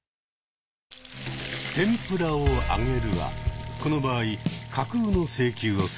「天ぷらを揚げる」はこの場合「架空の請求をする」こと。